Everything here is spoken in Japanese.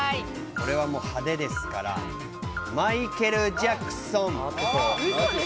これはもう派手ですから、マイケル・ジャクソン。